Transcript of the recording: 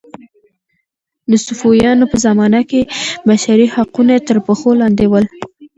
د صفویانو په زمانه کې بشري حقونه تر پښو لاندې ول.